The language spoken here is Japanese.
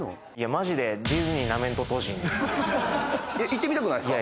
マジでえっ行ってみたくないですか？